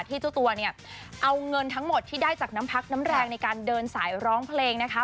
เจ้าตัวเนี่ยเอาเงินทั้งหมดที่ได้จากน้ำพักน้ำแรงในการเดินสายร้องเพลงนะคะ